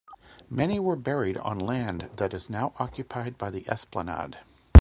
Many were buried on land that is now occupied by the Esplanade.